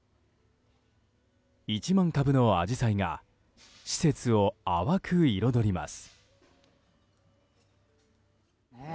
１万株のアジサイが施設を淡く彩ります。